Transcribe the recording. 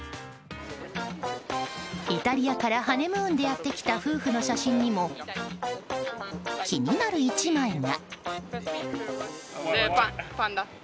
イタリアからハネムーンでやってきた夫婦の写真にも気になる１枚が。